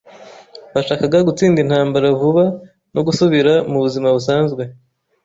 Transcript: Bashakaga gutsinda intambara vuba no gusubira mu buzima busanzwe.